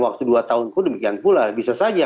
waktu dua tahun pun demikian pula bisa saja